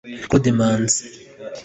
Claude Manzi